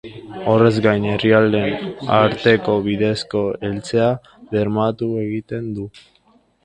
Horrez gain, herrialdeen arteko bidezko heltzea bermatu egiten du.